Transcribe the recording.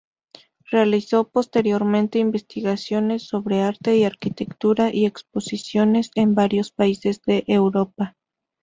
Realizó posteriormente investigaciones sobre arte y arquitectura y exposiciones en varios países de Europa.